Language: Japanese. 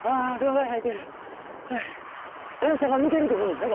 大阪抜けるってことですね